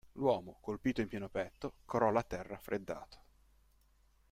L'uomo, colpito in pieno petto, crolla a terra freddato.